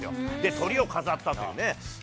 トリを飾ったというね。